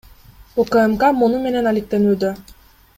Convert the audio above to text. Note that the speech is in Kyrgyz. УКМК муну менен алектенүүдө.